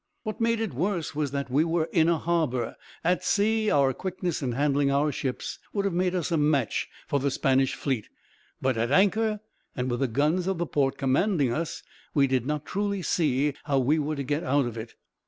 "What made it worse was that we were in harbor At sea, our quickness in handling our ships would have made us a match for the Spanish fleet; but at anchor, and with the guns of the port commanding us, we did not truly see how we were to get out of it.